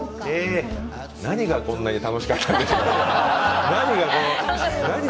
何がこんなに楽しかったんでしょう。